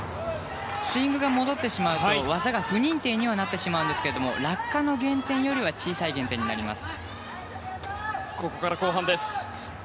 スイングが戻ってしまうと技が不認定になってしまうんですけれども落下の減点よりは小さい減点になります。